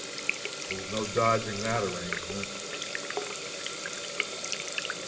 There was no dodging that arrangement.